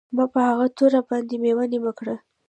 ما په هغه توره باندې میوه نیمه کړه